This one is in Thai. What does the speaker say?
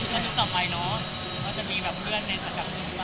คุณคิดต่อไปเนาะว่าจะมีแบบเมื่อนในสกัปที่บ้าง